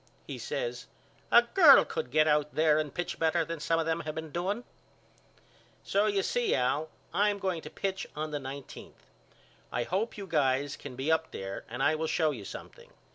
He says A girl could get out there and pitch better than some of them have been doing. So you see Al I am going to pitch on the nineteenth. I hope you guys can be up there and I will show you something.